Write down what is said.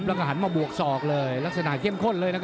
เมื่อกเราก็หันมาบวกซอกเลย